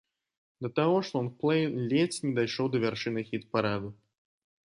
Да таго ж лонгплэй ледзь не дайшоў да вяршыні хіт-параду.